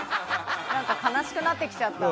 悲しくなってきちゃった。